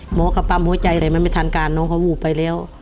หมอก็ปั๊มหัวใจอะไรมันไม่ทันการน้องเขาวูบไปแล้ว